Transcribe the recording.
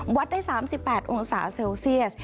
วัดได้๓๘องศาเซลเซียส